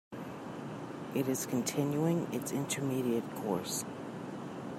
It is continuing its intermediate course.